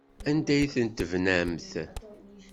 Anda ay tent-tebnamt?